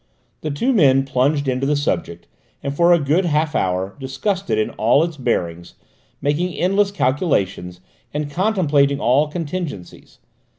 The two men plunged into the subject, and for a good half hour discussed it in all its bearings, making endless calculations and contemplating all contingencies.